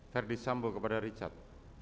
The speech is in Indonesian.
ferdis sambo kepada richard